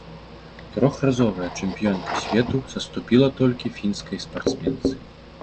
Трохразовая чэмпіёнка свету саступіла толькі фінскай спартсменцы.